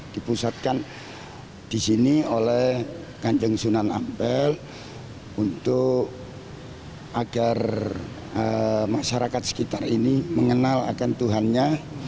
dipusatkan di sini oleh kanjeng sunan ampel untuk agar masyarakat sekitar ini mengenal akan tuhannya